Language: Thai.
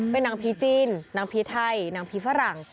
เป็นนางผีจีนนางผีไทยนางผีฝรั่ง